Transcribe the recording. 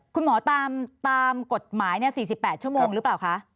คุณหมอตามกฎหมาย๔๘ชั่วโมงหรือเปล่าคะ